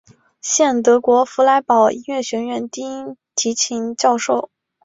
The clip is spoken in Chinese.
现德国弗莱堡音乐学院低音提琴教授。